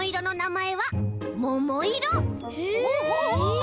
え